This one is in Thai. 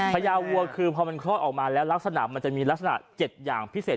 พญาวัวคือพอมันครอบออกมามันจะมีลักษณะเจ็ดอย่างพิเศษ